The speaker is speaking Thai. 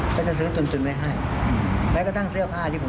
ก็จะซื้อตุนไว้ให้แม้กระทั่งเสื้อผ้าที่ผม